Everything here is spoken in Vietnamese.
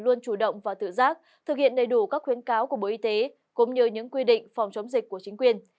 các cá nhân cần đủ động và tự giác thực hiện đầy đủ các khuyến cáo của bộ y tế cũng như những quy định phòng chống dịch của chính quyền